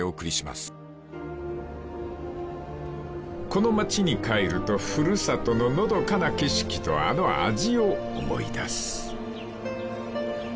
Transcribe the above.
［この町に帰ると古里ののどかな景色とあの味を思い出す］